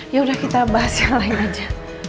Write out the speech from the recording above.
yaudah kita bahas yang lain aja